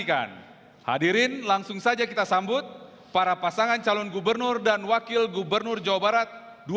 karena kpu jawa barat tidak berpengenalan dengan kpu provinsi jawa barat